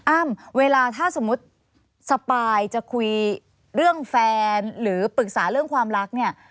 อ้ำเวลาถ้าสมมุติสปายจะคุยเรื่องแฟนหรือปรึกษาเรื่องความรักเนี่ย